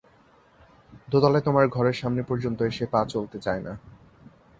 দোতলায় তোমার ঘরের সামনে পর্যন্ত এসে পা চলতে চায় না।